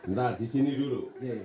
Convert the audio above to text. ntar di sini dulu